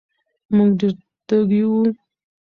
مونږ ډېر تږي وو